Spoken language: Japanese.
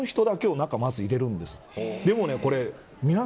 その人だけをまず中に入れるんです。